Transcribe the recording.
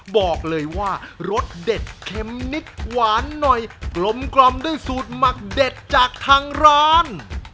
บอกเลยว่ารสเด็ดเค็มนิดหวานหน่อยกลมกล่อมด้วยสูตรหมักเด็ดจากทางร้าน